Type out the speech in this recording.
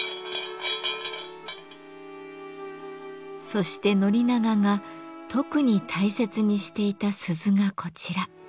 そして宣長が特に大切にしていた鈴がこちら。